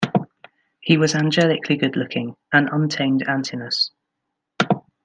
He was angelically good-looking, an untamed Antinous.